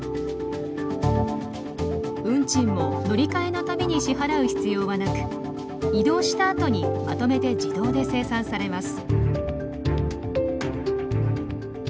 運賃も乗り換えの度に支払う必要はなく移動したあとにまとめて自動で精算されます。